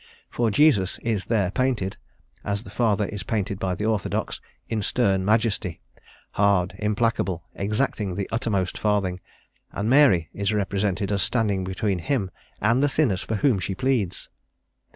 For Jesus is there painted, as the Father is painted by the orthodox, in stern majesty, hard, implacable, exacting the uttermost farthing; and Mary is represented as standing between him and the sinners for whom she pleads.